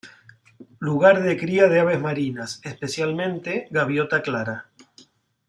Lugar de cría de aves marinas, especialmente gaviota clara.